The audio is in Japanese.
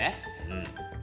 うん。